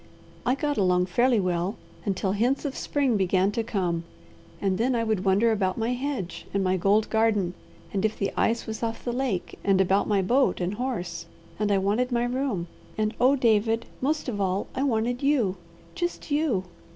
I got along fairly well until hints of spring began to come, and then I would wonder about my hedge, and my gold garden, and if the ice was off the lake, and about my boat and horse, and I wanted my room, and oh, David, most of all I wanted you! Just you!